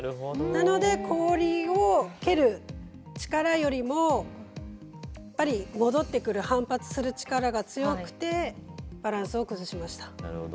なので、氷を蹴る力よりもやっぱり戻ってくる反発する力が強くてバランスを崩しました。